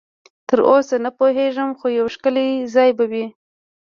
تراوسه نه پوهېږم، خو یو ښکلی ځای به وي.